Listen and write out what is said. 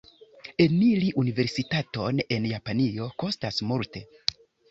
Eniri universitaton en Japanio kostas multe.